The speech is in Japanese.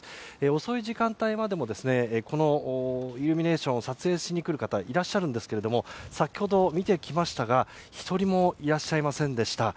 遅い時間帯でもこのイルミネーションを撮影しに来る方がいらっしゃいますが先ほど見てきたんですが１人もいらっしゃいませんでした。